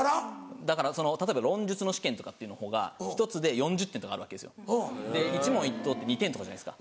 だから例えば論述の試験とかっていうほうが１つで４０点とかあるわけですよ。一問一答って２点とかじゃないですか。